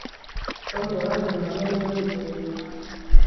Tom yabajije Mariya niba yizeye Yohana